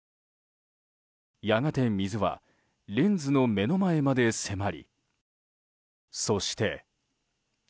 やがて水はレンズの目の前まで迫りそして。